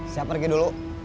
saya pergi dulu